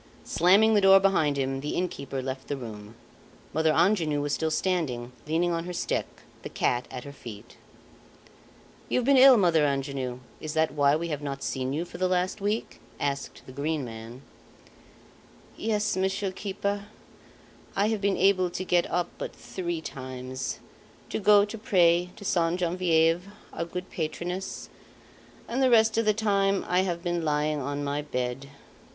Slamming the door behind him, the innkeeper left the room. Mother Angenoux was still standing, leaning on her stick, the cat at her feet. "You've been ill, Mother Angenoux? Is that why we have not seen you for the last week?" asked the Green Man. "Yes, Monsieur keeper. I have been able to get up but three times, to go to pray to Sainte Genevieve, our good patroness, and the rest of the time I have been lying on my bed.